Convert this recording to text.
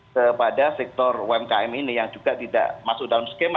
kepada sektor umkm ini yang juga tidak masuk dalam skema